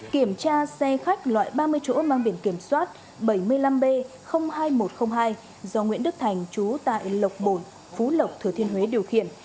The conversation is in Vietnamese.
kiểm tra xe khách loại ba mươi chỗ mang biển kiểm soát bảy mươi năm b hai nghìn một trăm linh hai do nguyễn đức thành chú tại lộc bộ phú lộc thừa thiên huế điều khiển